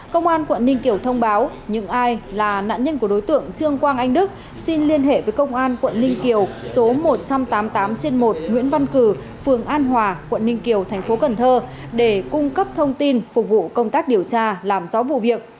công an quận ninh kiều thông báo những ai là nạn nhân của đối tượng trương quang anh đức xin liên hệ với công an quận ninh kiều số một trăm tám mươi tám trên một nguyễn văn cử phường an hòa quận ninh kiều thành phố cần thơ để cung cấp thông tin phục vụ công tác điều tra làm rõ vụ việc